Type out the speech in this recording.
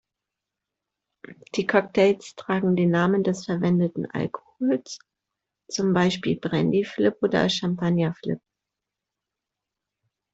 Die Cocktails tragen den Namen des verwendeten Alkohols, zum Beispiel Brandy-Flip oder Champagner-Flip.